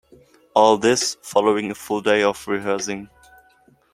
All this following a full day of rehearsing.